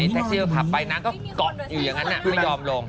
แท็กซี่ก็ขับไปนางก็ก๊อบอยู่อย่างงั้นน่ะไม่ยอมลง